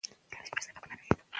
که عقیده وي نو زړه نه تشیږي.